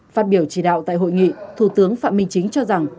phát biểu chỉ đạo tại hội nghị thủ tướng phạm minh chính cho rằng